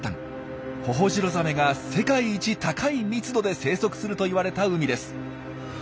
ホホジロザメが世界一高い密度で生息するといわれた海です。